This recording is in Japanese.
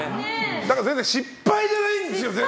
全然、失敗じゃないんですよ。